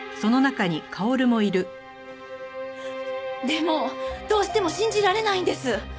でもどうしても信じられないんです。